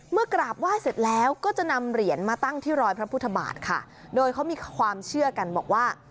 กราบไหว้เสร็จแล้วก็จะนำเหรียญมาตั้งที่รอยพระพุทธบาทค่ะโดยเขามีความเชื่อกันบอกว่า